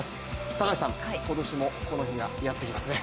高橋さん、今年もこの日がやってきますね。